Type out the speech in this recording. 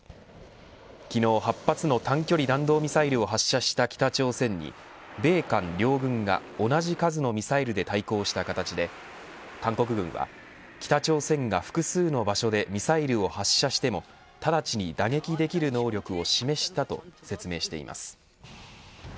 昨日８発の短距離弾道ミサイルを発射した北朝鮮に米韓両軍が、同じ数のミサイルで対抗した形で韓国軍は北朝鮮が複数の場所でミサイルを発射してもただちに打撃できる能力を示したと説明しています。